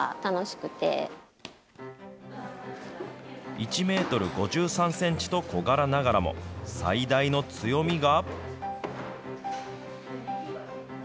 １メートル５３センチと小柄ながらも、最大の強みが。